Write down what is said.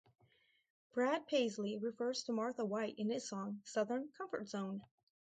Brad Paisley refers to Martha White in his song "Southern Comfort Zone".